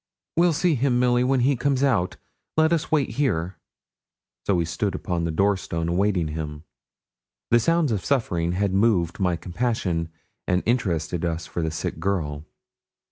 'We'll see him, Milly, when he comes out. Let us wait here.' So we stood upon the door stone awaiting him. The sounds of suffering had moved my compassion and interested us for the sick girl.